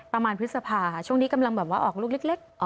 ประมาณพฤษภาช่วงนี้กำลังออกลูกเล็ก